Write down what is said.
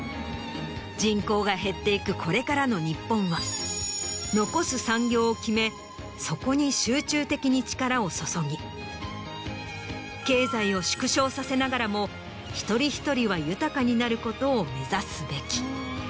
人口が減っていくこれからの日本は残す産業を決めそこに集中的に力を注ぎ経済を縮小させながらも１人１人は豊かになることを目指すべき。